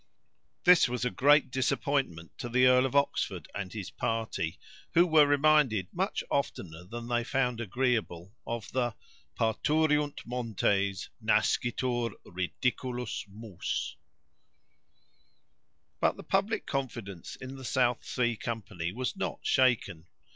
This was a great disappointment to the Earl of Oxford and his party, who were reminded much oftener than they found agreeable of the "Parturiunt montes, nascitur ridiculus mus." But the public confidence in the South Sea Company was not shaken.